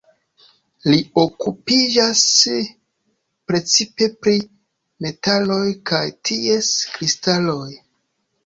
Li okupiĝas precipe pri metaloj kaj ties kristaloj.